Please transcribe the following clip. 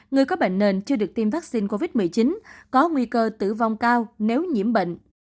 người có bệnh nền chưa được tiêm vaccine covid một mươi chín có nguy cơ tử vong cao nếu nhiễm bệnh